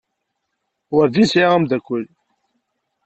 Werǧin sɛiɣ ameddakel.